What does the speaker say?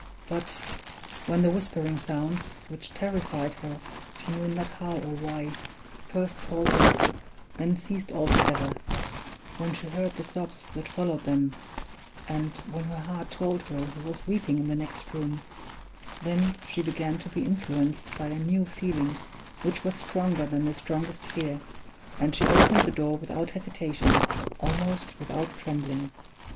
But, when the whispering sounds, which terrified her she knew not how or why, first faltered, then ceased altogether; when she heard the sobs that followed them; and when her heart told her who was weeping in the next room then, she began to be influenced by a new feeling which was stronger than the strongest fear, and she opened the door without hesitation, almost without trembling.